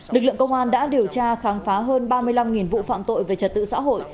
lực lượng công an đã điều tra khám phá hơn ba mươi năm vụ phạm tội về trật tự xã hội